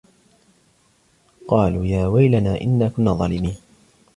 قالوا يا ويلنا إنا كنا ظالمين